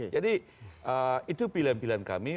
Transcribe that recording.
jadi itu pilihan pilihan kami